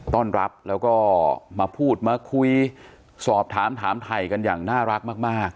ต้อนรับแล้วก็มาพูดมาคุยสอบถามถามถ่ายกันอย่างน่ารักมาก